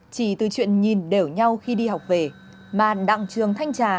chỉ từ chuyện nhìn đều nhau khi đi học về mà đặng trường thanh trà